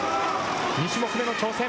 ２種目目の挑戦。